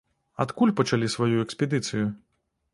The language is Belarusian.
Адкуль пачалі сваю экспедыцыю?